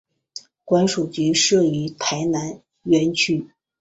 管理局设于台南园区。